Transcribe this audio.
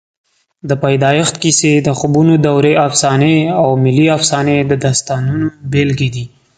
د پیدایښت کیسې، د خوبونو دورې افسانې او ملي افسانې د داستانونو بېلګې دي.